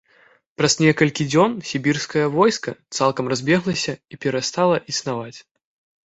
Праз некалькі дзён, сібірскае войска цалкам разбеглася і перастала існаваць.